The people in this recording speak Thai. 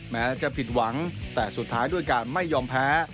แม้จะผิดหวังแต่สุดท้ายด้วยการไม่ยอมแพ้